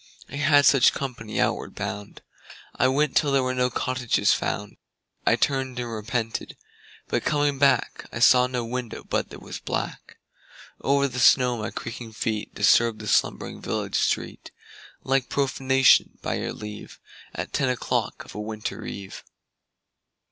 I had such company outward bound. I went till there were no cottages found. I turned and repented, but coming back I saw no window but that was black. Over the snow my creaking feet Disturbed the slumbering village street Like profanation, by your leave, At ten o'clock of a winter eve.